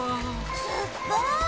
すっごい！